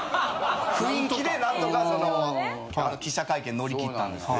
雰囲気で何とかその記者会見乗り切ったんですよ。